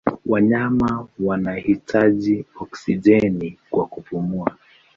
Wanyama wanahitaji oksijeni kwa kupumua.